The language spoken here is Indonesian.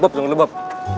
tunggu dulu bob